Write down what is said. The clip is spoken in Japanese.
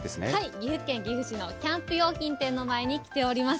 岐阜県岐阜市のキャンプ用品店の前に来ております。